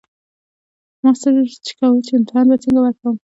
ما سوچ کوو چې امتحان به څنګه ورکوم